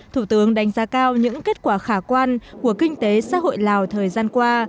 thủ tướng đánh giá cao những kết quả khả quan của kinh tế xã hội lào thời gian qua